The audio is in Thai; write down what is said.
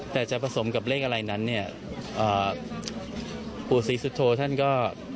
แต่จะผสมกับเลขอะไรนั้นเนี่ยปู่ศรีสุโธท่านก็